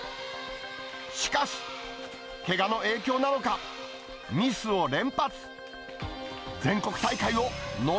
しかし、けがの影響なのか、ミスを連発。